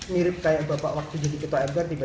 mirip kayak bapak waktu jadi ketua mpr tiba tiba